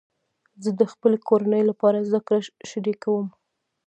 زه د خپلې کورنۍ لپاره زده کړه شریکوم.